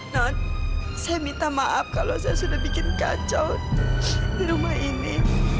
nan saya minta maaf kalau saya sudah bikin kacau di rumah ini